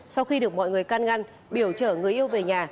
sau khi được mọi người can ngăn biểu chở người yêu về nhà